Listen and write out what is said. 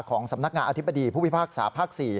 ของสำนักงานอธิบดีผู้พิพากษาภาค๔